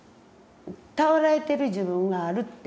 頼られてる自分があるって。